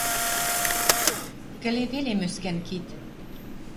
Кӹле веле Мӧскӓн кид —